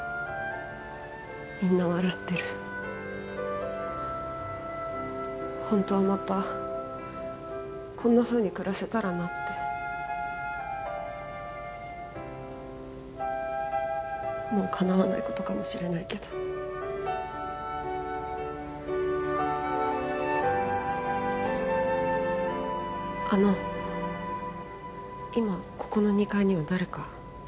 みんな笑ってるホントはまたこんなふうに暮らせたらなってもうかなわないことかもしれないけどあの今ここの２階には誰か？